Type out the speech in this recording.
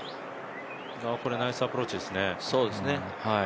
これ、ナイスアプローチですね。